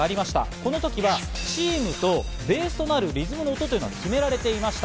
この時はチームとベースとなるリズムの音が決められていました。